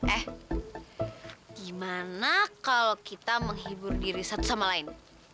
eh gimana kalau kita menghibur diri satu sama lain